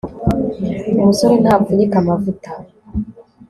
umusore ntapfunyika amavuta